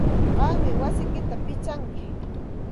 Qammi wasiyki pichanki.